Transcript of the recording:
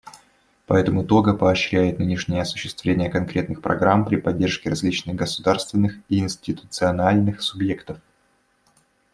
Поэтому Того поощряет нынешнее осуществление конкретных программ при поддержке различных государственных и институциональных субъектов.